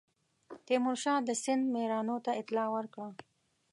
تیمورشاه د سند میرانو ته اطلاع ورکړه.